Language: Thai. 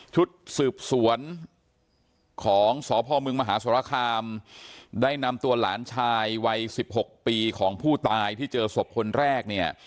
ชุดสืบสวนของสพมมหาสรคามได้นำตัวหลานชายวัยสิบหกปีของผู้ตายที่เจอศพคนแรกเนี่ย